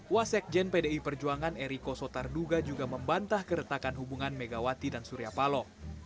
wasekjen pdi perjuangan eriko sotarduga juga membantah keretakan hubungan megawati dan surya paloh